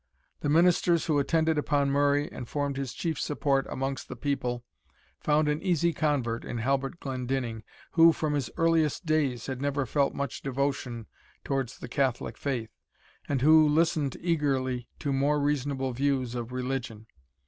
The ministers who attended upon Murray and formed his chief support amongst the people, found an easy convert in Halbert Glendinning, who, from his earliest days, had never felt much devotion towards the Catholic faith, and who listened eagerly to more reasonable views of religion.